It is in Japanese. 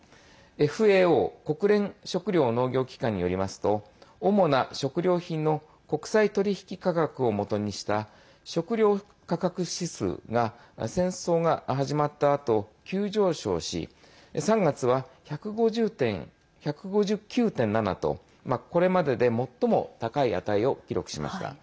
ＦＡＯ＝国連食糧農業機関によりますと主な食料品の国際取引価格をもとにした食料価格指数が戦争が始まったあと急上昇し３月は１５９．７と、これまでで最も高い値を記録しました。